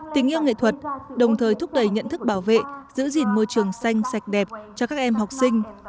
tình yêu nghệ thuật đồng thời thúc đẩy nhận thức bảo vệ giữ gìn môi trường xanh sạch đẹp cho các em học sinh